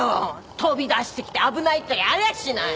飛び出してきて危ないったらありゃしない。